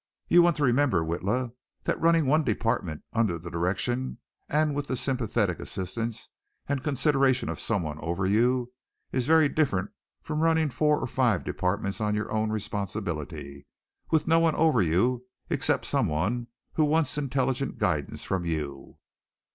You want to remember, Witla, that running one department under the direction and with the sympathetic assistance and consideration of someone over you is very different from running four or five departments on your own responsibility and with no one over you except someone who wants intelligent guidance from you.